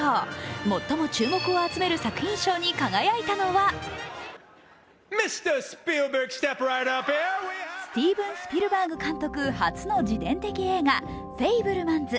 最も注目を集める作品賞に輝いたのはスティーブン・スピルバーグ監督初の自伝的映画、「フェイブルマンズ」。